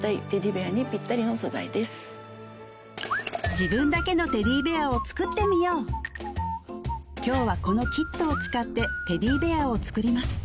自分だけのテディベアを作ってみよう今日はこのキットを使ってテディベアを作ります